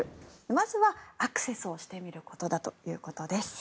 まずはアクセスしてみることだということです。